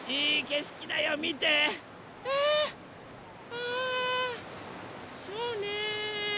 ああそうね。